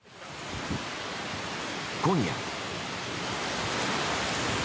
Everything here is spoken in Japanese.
今夜。